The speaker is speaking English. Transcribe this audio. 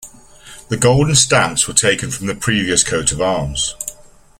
The golden stamps were taken from the previous coat of arms.